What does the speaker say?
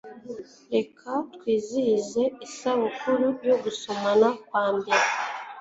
reka twizihize isabukuru yo gusomana kwambere